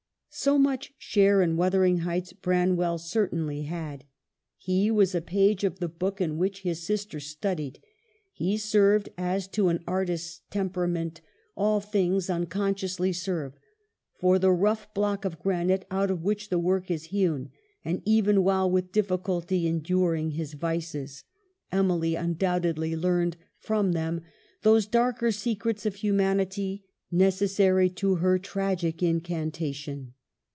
" So much share in ' Wuthering Heights ' Bran well certainly had. He was a page of the book 21 8 EMILY BRONTE. in which his sister studied ; he served, as to an artist's temperament all things unconsciously serve, for the rough block of granite out of which the work is hewn, and, even while with difficulty enduring his vices, Emily undoubtedly learned from them those darker secrets of humanity ne cessary to her tragic incantation.